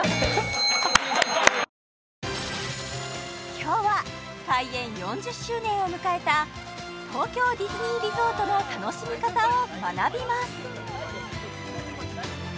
今日は開園４０周年を迎えた東京ディズニーリゾートの楽しみ方を学びます